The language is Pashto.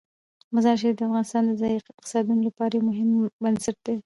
مزارشریف د افغانستان د ځایي اقتصادونو لپاره یو مهم بنسټ دی.